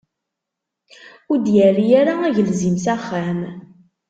Ur d-yerri ara agelzim s axxam.